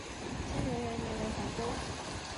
干元元年仍为黄州。